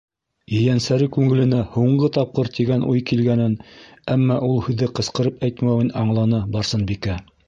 - Ейәнсәре күңеленә «һуңғы тапҡыр!» тигән уй килгәнен, әммә ул һүҙҙе ҡысҡырып әйтмәүен аңланы Барсынбикә.